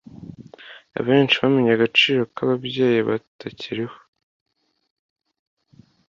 Abenshi bamenya agciro kababyeyi batakiriho